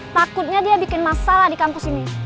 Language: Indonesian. takutnya dia bikin masalah di kampus ini